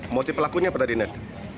motif pelakunya apa tadi nes